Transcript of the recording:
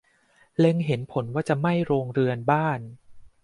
เล็งเห็นผลว่าจะไหม้โรงเรือนบ้าน